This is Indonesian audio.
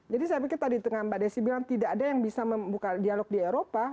jadi saya pikir tadi di tengah mbak desi bilang tidak ada yang bisa membuka dialog di eropa